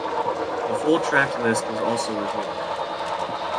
The full track list was also revealed.